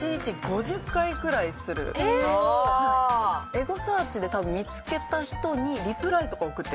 エゴサーチで多分見つけた人にリプライとか送ってるんです。